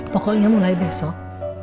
pokoknya mulai besok